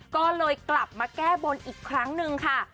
ก็เลยกลับมาแก้บนอีกครั้งหนึ่งค่ะ